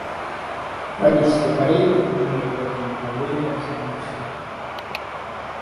Правительство Кореи предпринимает в этом направлении активные усилия.